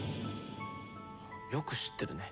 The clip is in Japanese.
よく知ってるね。